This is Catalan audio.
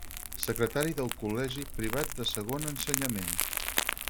Secretari del Col·legi Privat de Segona Ensenyament.